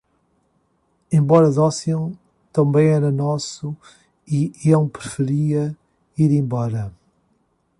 Embora dócil, também era nosso e ele preferia ir embora.